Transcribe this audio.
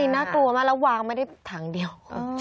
น่ากลัวมากแล้ววางไม่ได้ถังเดียว